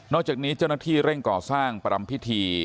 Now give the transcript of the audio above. นอกจากนี้เจ้านักที่เร่งก่อสร้างปรัมพิธี